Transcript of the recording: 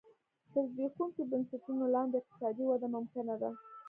تر زبېښونکو بنسټونو لاندې اقتصادي وده ممکنه ده.